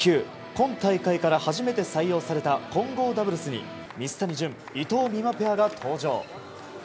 今大会から初めて採用された混合ダブルスに水谷隼、伊藤美誠ペアが登場。